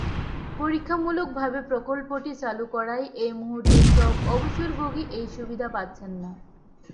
পরীক্ষামূলকভাবে প্রকল্পটি চালু করায় এই মুহূর্তে সব অবসরভোগী এই সুবিধা পাচ্ছেন না।